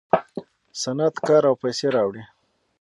صنعت کار او پیسې راوړي.